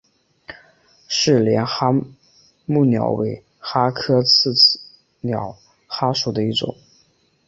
是帘蛤目鸟尾蛤科棘刺鸟蛤属的一种。